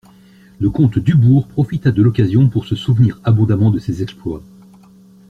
Le comte Dubourg profita de l'occasion pour se souvenir abondamment de ses exploits.